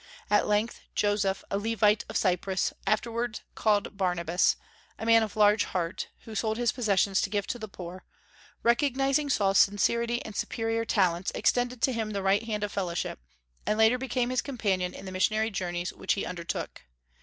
At length Joseph, a Levite of Cyprus, afterward called Barnabas, a man of large heart, who sold his possessions to give to the poor, recognizing Saul's sincerity and superior talents, extended to him the right hand of fellowship, and later became his companion in the missionary journeys which he undertook.